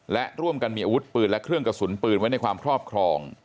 และร่วมกันมีอาวุธปืนและเครื่องกระสุนปืนไว้ในความครอบครอง